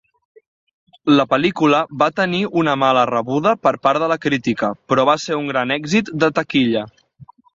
La pel·lícula va tenir una mala rebuda per part de la crítica, però va ser un gran èxit de taquilla.